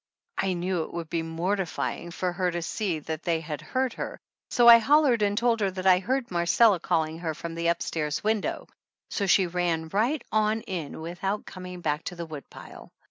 I knew it would be mortify ing for her to see that they had heard her, so I hollered and told her that I heard Marcella calling her from the up stairs window, so she ran right on in without coming back to the woodpile.